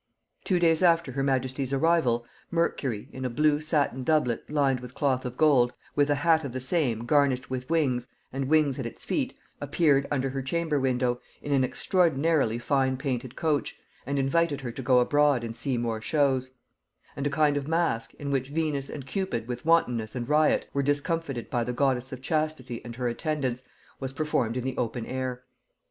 Two days after her majesty's arrival, Mercury, in a blue satin doublet lined with cloth of gold, with a hat of the same garnished with wings, and wings at his feet, appeared under her chamber window in an extraordinarily fine painted coach, and invited her to go abroad and see more shows; and a kind of mask, in which Venus and Cupid with Wantonness and Riot were discomfited by the Goddess of Chastity and her attendants, was performed in the open air.